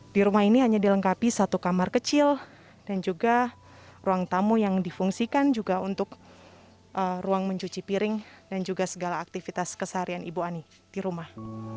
di rumah ini hanya dilengkapi satu kamar kecil dan juga ruang tamu yang difungsikan juga untuk ruang mencuci piring dan juga segala aktivitas keseharian ibu ani di rumah